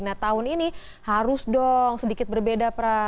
nah tahun ini harus dong sedikit berbeda pra